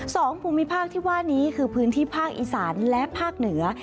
ภูมิภาคที่ว่านี้คือพื้นที่ภาคอีสานและภาคเหนือ